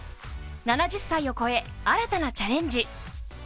７０歳を超え新たなチャレンジ。